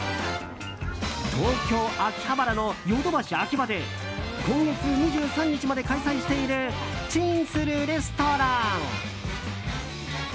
東京・秋葉原のヨドバシＡｋｉｂａで今月２３日まで開催している「チン！するレストラン」。